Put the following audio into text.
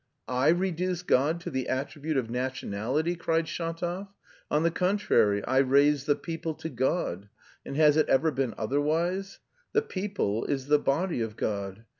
"I reduce God to the attribute of nationality?" cried Shatov. "On the contrary, I raise the people to God. And has it ever been otherwise? The people is the body of God.